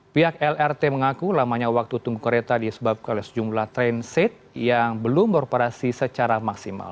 pihak lrt mengaku lamanya waktu tunggu kereta disebabkan oleh sejumlah tren seat yang belum beroperasi secara maksimal